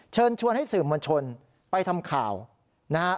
เชิญชวนให้สื่อมวลชนไปทำข่าวนะฮะ